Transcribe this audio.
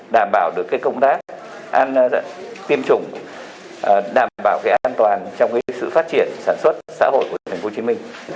đảm bảo được công tác an tiêm chủng đảm bảo an toàn trong sự phát triển sản xuất xã hội của tp hcm